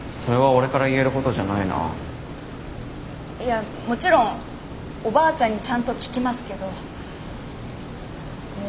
いやもちろんおばあちゃんにちゃんと聞きますけど。